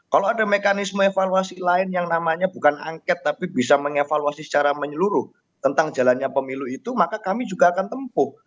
kalau ada mekanisme evaluasi lain yang namanya bukan angket tapi bisa mengevaluasi secara menyeluruh tentang jalannya pemilu itu maka kami juga akan tempuh